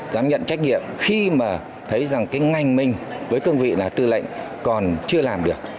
dám nhận trách nhiệm khi mà thấy rằng cái ngành mình với cương vị là tư lệnh còn chưa làm được